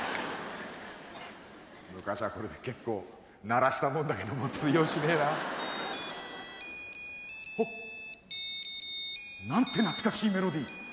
昔はこれで結構ならしたもんだけども通用しねえな。なんて懐かしいメロディー。